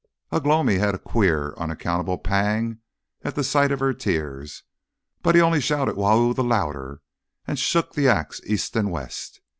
Ugh lomi had a queer unaccountable pang at the sight of her tears; but he only shouted "Wau!" the louder and shook the axe east and west.